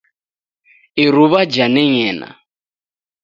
Iruw'a janeng'ena.